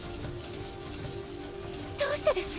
どうしてです？